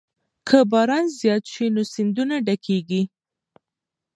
که باران زیات شي نو سیندونه ډکېږي.